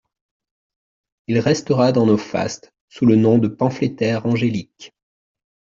Il restera dans nos fastes sous le nom de pamphlétaire angélique …